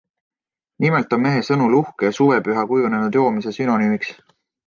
Nimelt on mehe sõnul uhke suvepüha kujunenud joomise sünonüümiks.